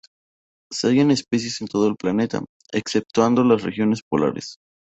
Se hallan especies en todo el planeta, exceptuando las regiones polares.